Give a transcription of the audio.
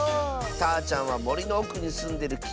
たーちゃんはもりのおくにすんでるき